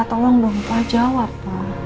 pak tolong dong pak jawab